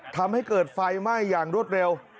ทำให้เกิดไฟไหม้อย่างรวดเร็ว